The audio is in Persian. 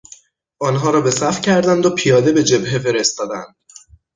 آنها را به صف کردند و پیاده به جبهه فرستادند.